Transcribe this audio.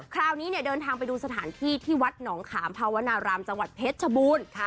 คราวนี้เนี่ยเดินทางไปดูสถานที่ที่วัดหนองขามภาวนารามจังหวัดเพชรชบูรณ์